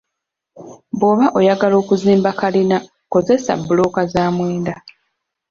Bwoba oyagala okuzimba kkalina kozesa bbulooka za mwenda.